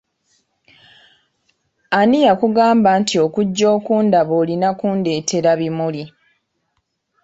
Ani yakugamba nti okujja okundaba olina kundetera bimuli?